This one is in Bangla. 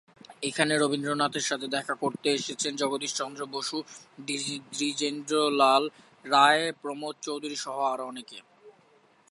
এখানে রবীন্দ্রনাথের সাথে দেখা করতে এসেছেন জগদীশ চন্দ্র বসু, দ্বিজেন্দ্রলাল রায়, প্রমথ চৌধুরী সহ আরো অনেকে।